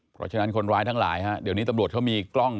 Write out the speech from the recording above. เพราะฉะนั้นคนร้ายทั้งหลายเดี่ยวนี้ตำรวจกล้องติดหมวก